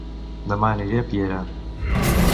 Dema aniré a Piera